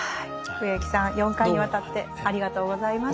植木さん４回にわたってありがとうございました。